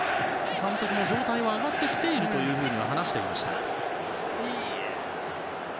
監督も状態は上がってきていると話していました。